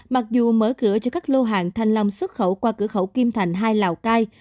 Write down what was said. mặc dù mở cửa cho các lô hàng thanh long xuất khẩu qua cửa khẩu kim thành hai lào cai